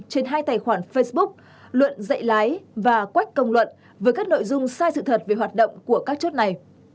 trên hai tài khoản facebook luận dạy lái và quách công luận với các nội dung sai sự thật về hoạt động của các chốt này